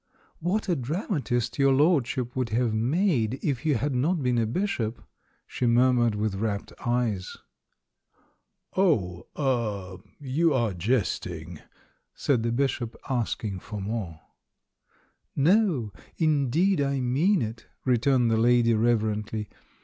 "What a dramatist your lordship would have made if you had not been a bishop!" she mur mured, with rapt eyes. "Oh — er — you are jesting," said the Bishop, asking for more. "No, indeed — I mean it," returned the lady reverently.